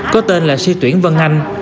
có tên là si tuyển vân anh